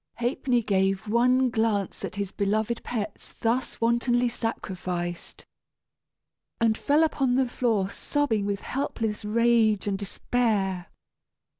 Ha'penny gave one glance at his beloved pets thus wantonly sacrificed, and fell upon the floor sobbing with helpless rage and despair.